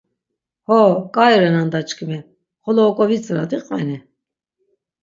Ho k̆ai renan da çkimi, xolo ok̆oviz̆irat iqveni?